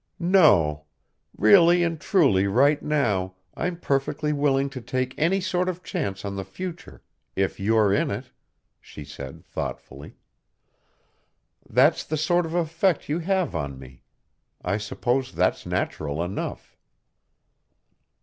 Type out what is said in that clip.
"No. Really and truly right now I'm perfectly willing to take any sort of chance on the future if you're in it," she said thoughtfully. "That's the sort of effect you have on me. I suppose that's natural enough."